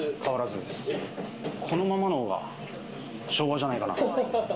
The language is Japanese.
このままの方が昭和じゃないかなと。